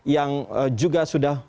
yang juga sudah